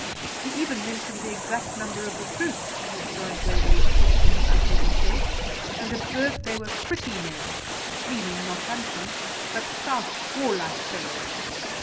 He even mentioned the exact number of recruits who had joined Waverley's troop from his uncle's estate, and observed they were PRETTY MEN, meaning, not handsome, but stout warlike fellows.